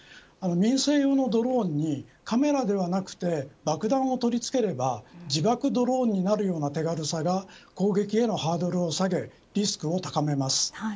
民生用のドローンにカメラではなくて爆弾を取り付ければ自爆ドローンになるような手軽さが攻撃へのハードルを下げリスクを高めます。